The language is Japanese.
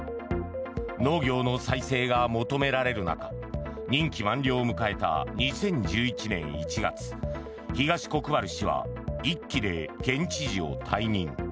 農業の再生が求められる中任期満了を迎えた２０１１年１月東国原氏は１期で県知事を退任。